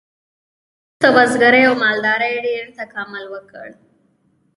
وروسته بزګرۍ او مالدارۍ ډیر تکامل وکړ.